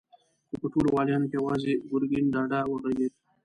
خو په ټولو واليانو کې يواځې ګرګين ډاډه وغږېد.